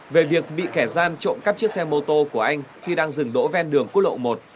về việc bị kẻ gian trộn các chiếc xe mô tô của anh khi đang dừng đổ ven đường cú lộ một